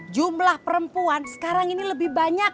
jumlah perempuan sekarang ini lebih banyak